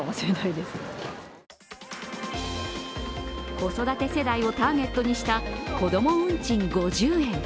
子育て世代をターゲットにした、こども運賃５０円。